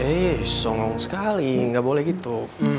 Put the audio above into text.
eh songong sekali nggak boleh gitu